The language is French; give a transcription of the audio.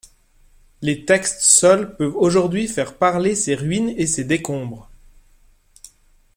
Les textes seuls peuvent aujourd'hui faire parler ces ruines et ces décombres.